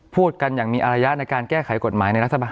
พูดกันอย่างมีอารยะในการแก้ไขกฎหมายในรัฐบาล